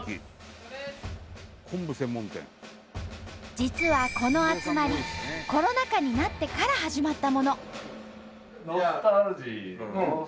実はこの集まりコロナ禍になってから始まったもの。